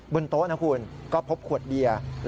บนโต๊ะนะคุณก็พบขวดเบียร์